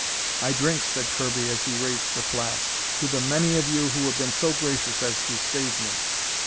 "I drink," said Kirby as he raised the flask, "to the many of you who have been so gracious as to save me!"